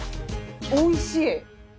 おいしい！